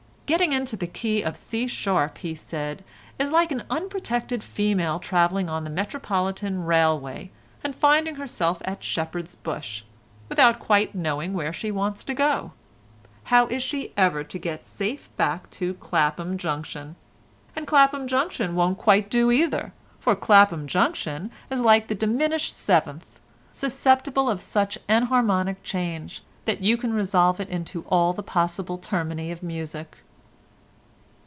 "Getting into the key of C sharp," he said, "is like an unprotected female travelling on the Metropolitan Railway, and finding herself at Shepherd's Bush, without quite knowing where she wants to go to. How is she ever to get safe back to Clapham Junction? And Clapham Junction won't quite do either, for Clapham Junction is like the diminished seventh—susceptible of such enharmonic change, that you can resolve it into all the possible termini of music."